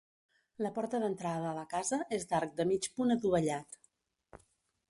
La porta d'entrada a la casa és d'arc de mig punt adovellat.